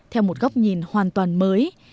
theo một góc nhìn hoàn toàn mới